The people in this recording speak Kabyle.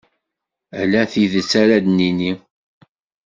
Ala tidet ara d-nini.